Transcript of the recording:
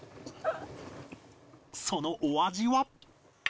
そのお味は？